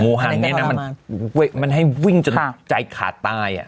หังนี้นะมันให้วิ่งจนใจขาดตาย